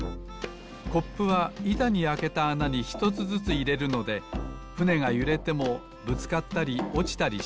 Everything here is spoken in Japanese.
コップはいたにあけたあなにひとつずついれるのでふねがゆれてもぶつかったりおちたりしません。